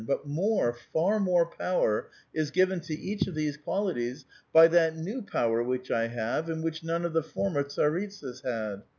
But more, far more power is given to each of these qualities b}' that new power which I have, and which none of the former tsaritsas had.